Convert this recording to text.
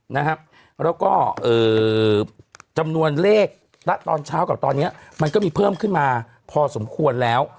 แล้วก็จำนวนเลขตอนเช้ากับตอนนี้มันก็มีเพิ่มขึ้นมาพอสมควรแล้ว